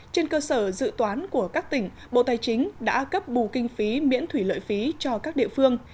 trên cơ sở dự toán của các tỉnh bộ tài chính đã cấp bù kinh phí miễn thủy lợi phí cho các địa phương